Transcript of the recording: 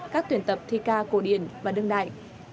các tuyển tập thi ca cổ điển và đương đại